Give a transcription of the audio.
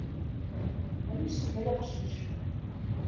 Anis-ik ay aqcic?